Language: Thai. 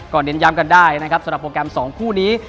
เน้นย้ำกันได้นะครับสำหรับโปรแกรม๒คู่นี้